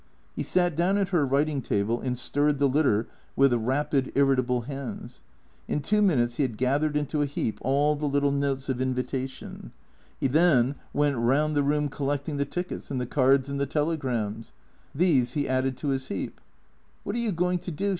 He sat down at her writing table and stirred the litter with rapid, irritable hands. In two minutes he had gathered into a heap all the little notes of invitation. He then went round the 122 T H E C R E A T 0 E S room collecting the tickets and the cards and the telegrams. These he added to his heap. " What are you going to do